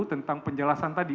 tentang penjelasan tadi